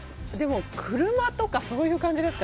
車とかそういう感じですか。